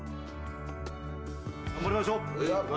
頑張りましょう！